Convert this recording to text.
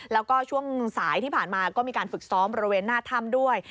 แล้วก็ช่วงสายที่ผ่านมาก็มีการฝึกซ้อมบริเวณหน้าถ้ำด้วย